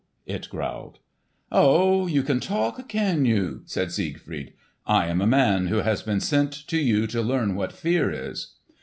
it growled. "Oh, you can talk, can you?" said Siegfried. "I am a man who has been sent to you to learn what fear is."